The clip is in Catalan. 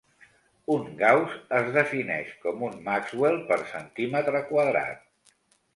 Un gauss es defineix com un maxwell per centímetre quadrat.